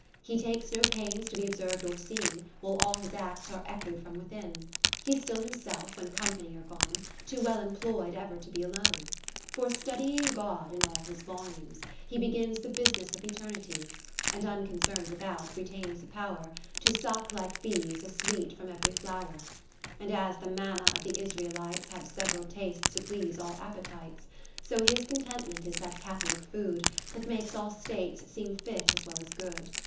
He takes no pains to be observ'd or seen, While all his acts are echoed from within. He 's still himself, when company are gone. Too well employ'd ever to be alone. For studying God in all his volumes, he Begins the business of Eternity ; 40 And unconcern'd without, retains a power To suck (like bees) a sweet from ev'ry flower. And as the Manna of the Israelites Had several tastes to please all appetites : So his Contentment is that catholic food, That makes all states seem fit as well as good.